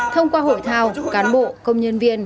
thông qua hội thao cán bộ công nhân viên